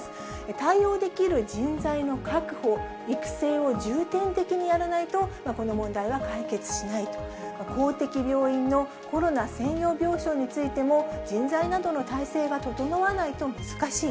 対応できる人材の確保、育成を重点的にやらないと、この問題は解決しないと、公的病院のコロナ専用病床についても、人材などの体制が整わないと難しい。